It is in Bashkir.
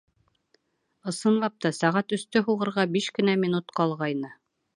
Ысынлап та, сәғәт өстө һуғырға биш кенә минут ҡалғайны.